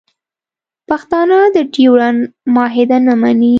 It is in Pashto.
پښتانه د ډیورنډ معاهده نه مني